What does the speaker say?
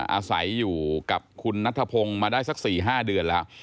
อาศัยอยู่กับคุณนัทธพงศ์มาได้สัก๔๕เดือนแล้ว